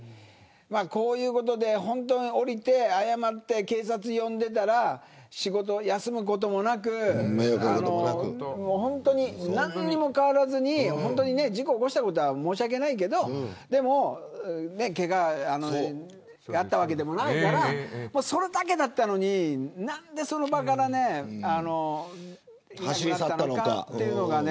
こういうことで、本当は降りて謝って、警察を呼んでいたら仕事を休むこともなく何にも変わらずに事故を起こしたことは申し訳ないけどでも、けががあったわけでもないからそれだけだったのに何でその場から居なくなったのかというのがね。